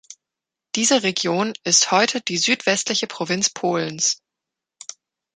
Diese Region ist heute die südwestliche Provinz Polens.